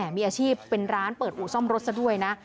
มีอาชีพเป็นร้านเปิดอู่ซ่อมรถซะด้วยนะ